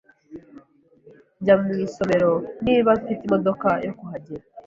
Njya mu isomero niba mfite imodoka yo kuhagera.